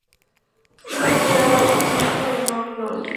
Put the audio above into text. Está considerado un sinónimo de "Magnolia"